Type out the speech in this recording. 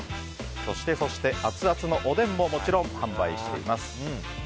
そして、アツアツのおでんももちろん販売しています。